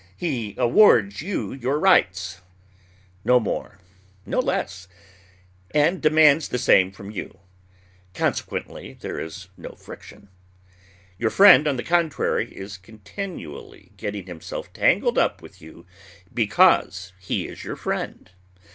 He awards you your rights, no more, no less, and demands the same from you. Consequently there is no friction. Your friend, on the contrary, is continually getting himself tangled up with you "because he is your friend."